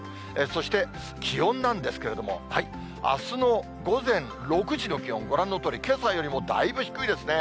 そして気温なんですけれども、あすの午前６時の気温、ご覧のとおり、けさよりもたいぶ低いですね。